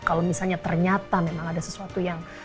kalau misalnya ternyata memang ada sesuatu yang